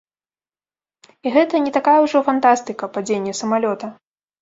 І гэта не такая ўжо фантастыка, падзенне самалёта.